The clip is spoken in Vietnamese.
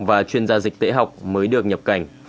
và chuyên gia dịch tễ học mới được nhập cảnh